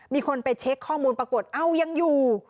มีคนไปเช็คข้อมูลปรากฏเอ้ายังอยู่